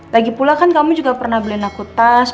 lagipula kan kamu juga pernah beliin aku tas